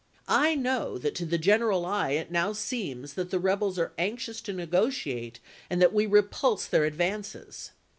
I know that, to the general eye, it now seems that the rebels are anxious to negotiate and that we repulse their advances.